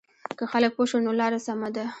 که خلک پوه شول نو لاره سمه ده.